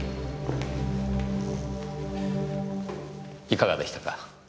いかがでしたか？